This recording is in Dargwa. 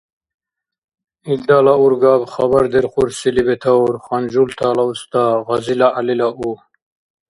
Илдала ургаб хабардерхурсили бетаур ханжултала уста Гъазила ГӀялила у.